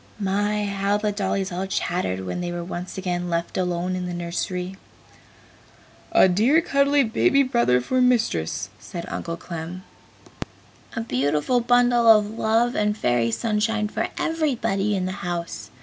My, how the dollies all chattered when they were once again left alone in the nursery! "A dear cuddly baby brother for Mistress!" said Uncle Clem. "A beautiful bundle of love and Fairy Sunshine for everybody in the house!"